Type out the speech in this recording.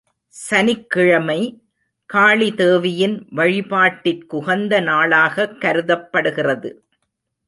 சனிக்கிழமை, காளி தேவியின் வழிபாட்டிற்குகந்த நாளாகக் கருதப்படுகிறது.